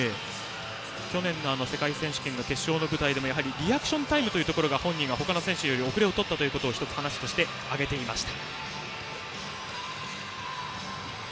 去年の世界選手権の決勝の舞台でもリアクションタイムが本人は他の選手よりも後れを取ったということを１つ挙げていました。